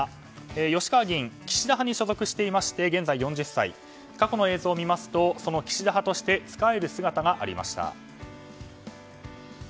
吉川議員、岸田派に所属していて現在４０歳、過去の映像を見ますと岸田派として仕える姿がありました。